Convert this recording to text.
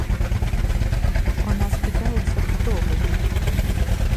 У нас пытаюцца, хто вы.